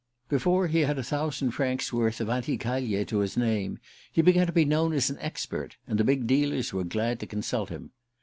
Before he had a thousand francs' worth of anticaglie to his name he began to be known as an expert, and the big dealers were glad to consult him.